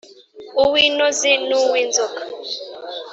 uw íntózi n uw inzóka